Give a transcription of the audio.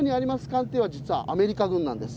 艦艇は実はアメリカ軍なんです。